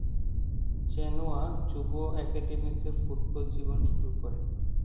Genoa যুব অ্যাকাডেমিতে football জীবন শুরু করেন।